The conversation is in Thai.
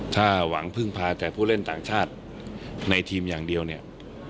ถ้าหวังพึ่งพาแต่ผู้เล่นต่างชาติในทีมอย่างเดียวเนี่ย